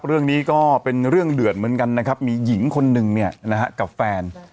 เรื่องนี้ก็เป็นเรื่องเดือดเหมือนกันนะครับมีหญิงคนหนึ่งเนี่ยนะฮะกับแฟน